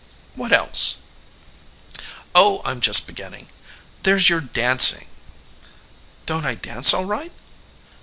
"What else?" "Oh, I'm just beginning! There's your dancing." "Don't I dance all right?"